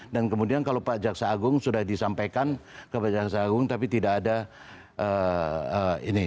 dan kemudian kalau pak jaksa agung sudah disampaikan ke pak jaksa agung tapi tidak ada ini